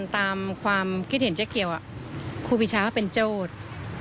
ตามความคิดเห็นเจ๊เกียวครูปีชาก็เป็นโจทย์